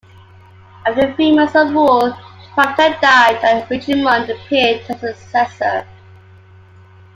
After a few months of rule, Framta died and Rechimund appeared as his successor.